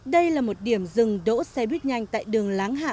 đây là một điểm dừng đỗ xe buýt nhanh tại đường láng hạ